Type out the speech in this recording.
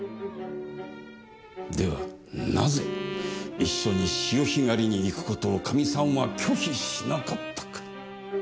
ではなぜ一緒に潮干狩りに行く事をカミさんは拒否しなかったか？